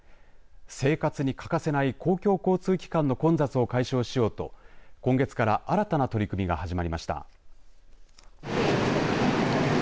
生活に欠かせない公共交通機関の混雑を解消しようと今月から新たな取り組みが始まりました。